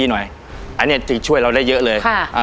อันนี้จึงช่วยเราได้เยอะเลย